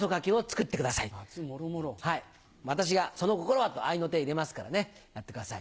はい私が「その心は？」と合いの手入れますからやってください。